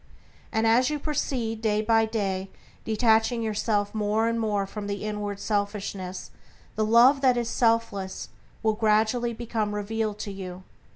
And as you proceed, day by day detaching yourself more and more from the inward selfishness the Love that is selfless will gradually become revealed to you.